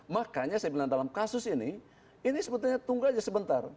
makanya saya bilang dalam kasus ini ini sebetulnya tunggu aja sebentar